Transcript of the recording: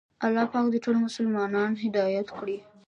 الله پاک دې ټول مسلمانان هدایت کړي.